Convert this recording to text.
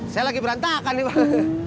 saya lagi berantakan nih pak